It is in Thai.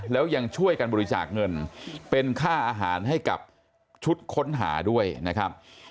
แล้วยังช่วยกันบริจาคเงินเป็นค่าอาหารให้กับชุดค้นหาด้วยนะครับ